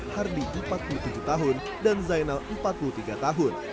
hardy empat puluh tujuh tahun dan zainal empat puluh tiga tahun